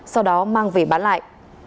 sau đó mang về bán lại